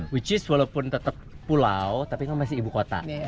which is walaupun tetap pulau tapi kan masih ibu kota